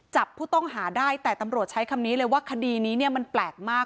จับผู้ต้องหาได้แต่ตำรวจใช้คำนี้เลยว่าคดีนี้เนี่ยมันแปลกมาก